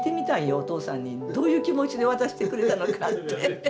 お父さんにどういう気持ちで渡してくれたのかって。